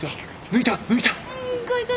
抜いた。